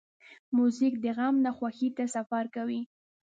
موزیک د غم نه خوښۍ ته سفر کوي.